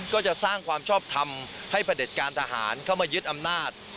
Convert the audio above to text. ก็จะสร้างความชอบทำให้พระเด็จการทหารเข้ามายึดอำนาจ